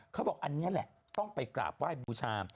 เขาบอกอันนี้แหละต้องไปกราบไหว้บูชา